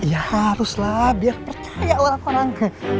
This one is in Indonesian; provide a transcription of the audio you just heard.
ya harus lah biar percaya orang orang